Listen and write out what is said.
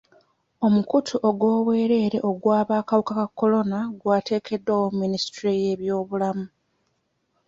Omukutu ogw'obwereere ogw'abakawuka ka kolona gwateekeddwawo Minisitule y'ebyobulamu.